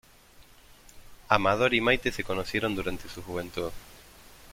Amador y Maite se conocieron durante su juventud.